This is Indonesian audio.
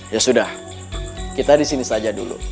ya sudah kita disini saja dulu